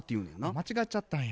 間違っちゃったんや。